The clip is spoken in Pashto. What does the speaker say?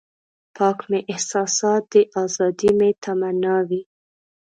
پاک مې احساسات دي ازادي مې تمنا وي.